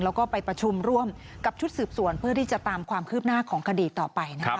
แล้วก็ไปประชุมร่วมกับชุดสืบสวนเพื่อที่จะตามความคืบหน้าของคดีต่อไปนะคะ